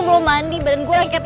ke mana ya perginya sakti